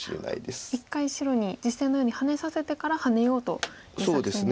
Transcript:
一回白に実戦のようにハネさせてからハネようという作戦ですね。